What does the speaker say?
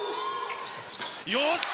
よし！